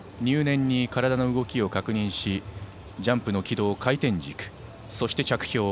入念に体の動きを確認しジャンプの軌道、回転軸そして着氷。